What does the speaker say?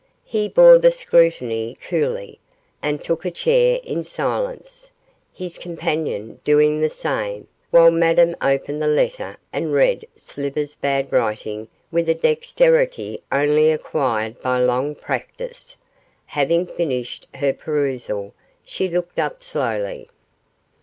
He bore the scrutiny coolly, and took a chair in silence, his companion doing the same, while Madame opened the letter and read Slivers' bad writing with a dexterity only acquired by long practice. Having finished her perusal, she looked up slowly.